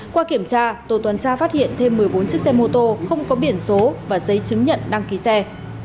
qua kiểm tra tổ tuần tra phát hiện thêm một mươi bốn chiếc xe mô tô không có biển số và giấy chứng nhận đăng ký xe